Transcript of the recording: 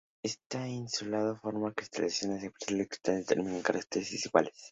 Esta inusual forma de cristalización hace que los cristales terminen en caras desiguales.